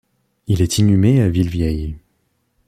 Il est inhumé à Villevieille.